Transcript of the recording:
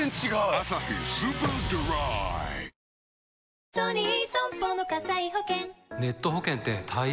「アサヒスーパードライ」ハロー！